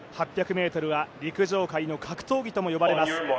８００ｍは陸上界の格闘技とも呼ばれています。